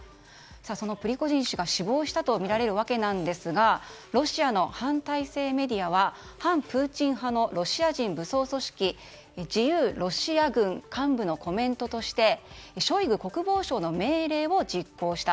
そのプリゴジン氏が死亡したとみられるわけですがロシアの反体制メディアは反プーチン派のロシア人武装組織、自由ロシア軍幹部のコメントとしてショイグ国防相の命令を実行した。